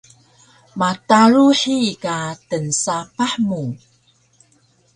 Mataru hiyi ka tnsapah mu